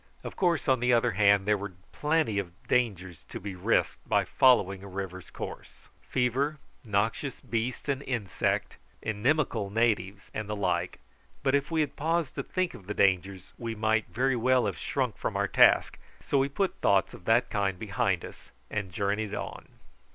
Of course, on the other hand, there were plenty of dangers to be risked by following a river's course: fever, noxious beast and insect, inimical natives, and the like; but if we had paused to think of the dangers, we might very well have shrunk from our task, so we put thoughts of that kind behind us and journeyed on.